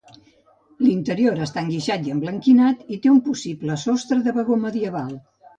L'interior està enguixat i emblanquinat i té un possible sostre de vagó medieval.